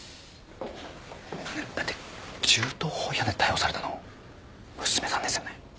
だって銃刀法違反で逮捕されたの娘さんですよね？